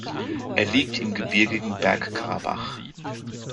Er liegt im gebirgigen Bergkarabach.